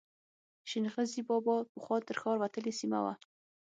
شین غزي بابا پخوا تر ښار وتلې سیمه وه.